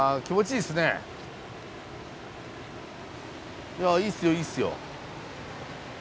いやいいっすよいいっすよ。